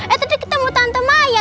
eh tadi ketemu tante maya